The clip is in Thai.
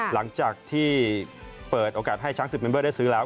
หลังจากที่เปิดโอกาสให้ช้างสิบเมนเบอร์ได้ซื้อแล้ว